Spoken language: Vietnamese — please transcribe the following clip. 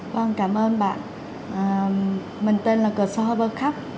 vâng cảm ơn bạn mình tên là cơ sò hợp bực khắp